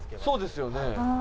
そうですよね。